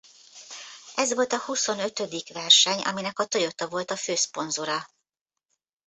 Ez volt a huszonötödik verseny aminek a Toyota volt a főszponzora.